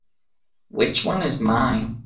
Which one is mine?